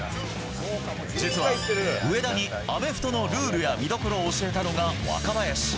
実は上田にアメフトのルールや見どころを教えたのが、若林。